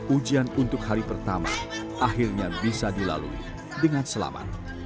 ujian untuk hari pertama akhirnya bisa dilalui dengan selamat